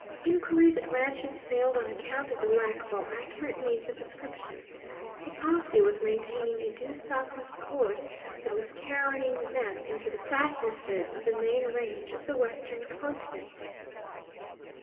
Inquiries at ranches failed on account of the lack of all accurate means of description. The posse was maintaining a due southwest course that was carrying them into the fastnesses of the main range of the western continent.